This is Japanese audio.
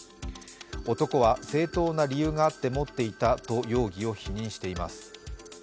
男は、正当な理由があって持っていたと容疑を否認しています。